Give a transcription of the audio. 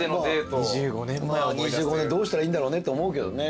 ２５年どうしたらいいんだろうねって思うけどね。